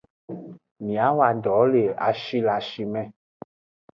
Miawo do le ashi le ashime.